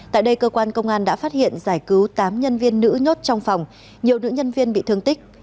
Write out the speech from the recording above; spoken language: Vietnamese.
tại đây cơ quan công an đã phát hiện giải cứu tám nhân viên nữ nhốt trong phòng nhiều nữ nhân viên bị thương tích